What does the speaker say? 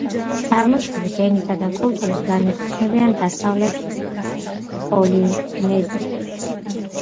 წარმოშობით, ენითა და კულტურით განეკუთვნებიან დასავლეთ პოლინეზიელებს.